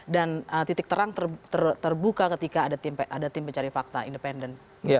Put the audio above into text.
dan titik terang terbuka ketika ada tim pencari fakta independen